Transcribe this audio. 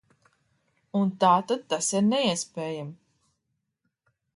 Un tātad tas ir neiespējami.